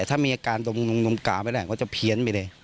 ปีเย็นไปเลย